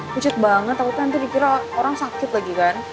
touch up banget apa tuh nanti dikira orang sakit lagi kan